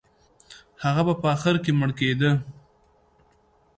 هغه به په اخر کې مړ کېده.